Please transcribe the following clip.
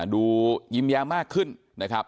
ดูยิ้มแย้มมากขึ้นนะครับ